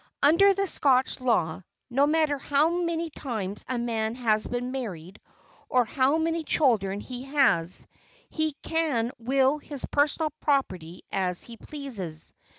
Under the Scotch law, no matter how many times a man has been married or how many children he has, he can will his personal property as he pleases.